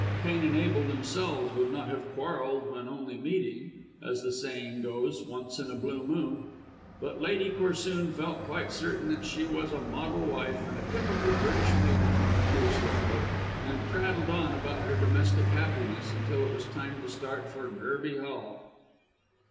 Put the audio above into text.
Cain and Abel themselves would not have quarrelled when only meeting as the saying goes once in a blue moon But Lady Corsoon felt quite certain that she was a model wife and a typical British matron (new style), and prattled on about her domestic happiness until it was time to start for Gerby Hall.